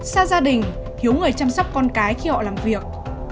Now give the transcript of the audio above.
xa gia đình thiếu người chăm sóc con cái khi họ làm việc